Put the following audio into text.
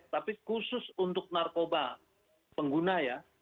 tapi khusus untuk narkoba pengguna ya